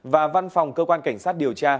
và văn phòng cơ quan cảnh sát điều tra